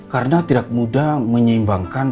karena tidak mudah menyeimbangkan